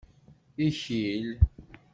Ikil.